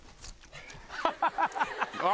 あ！